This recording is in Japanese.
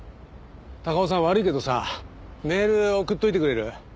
高尾さん悪いけどさメール送っておいてくれる？